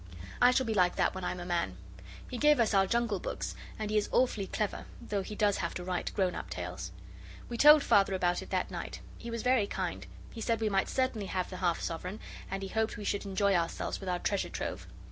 I shall be like that when I'm a man. He gave us our Jungle books, and he is awfully clever, though he does have to write grown up tales. We told Father about it that night. He was very kind. He said we might certainly have the half sovereign, and he hoped we should enjoy ourselves with our treasure trove.